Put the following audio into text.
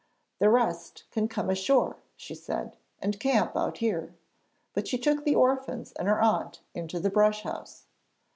'The rest can come ashore,' she said, 'and camp out here,' but she took the orphans and her aunt into the brush house.